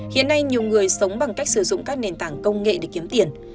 hiện nay nhiều người sống bằng cách sử dụng các nền tảng công nghệ để kiếm tiền